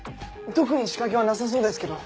特に仕掛けはなさそうですけど。